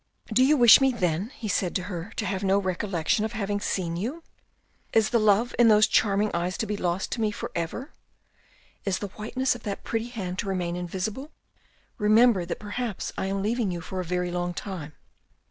" Do you wish me then," he said to her " to have no recollection of having seen you." Is the love in those charming eyes to be lost to me for ever ? Is the whiteness of that pretty hand to remain invisible ? Remember that perhaps I am leaving you for a very long time."